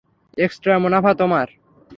Extra মুনাফা তোমার।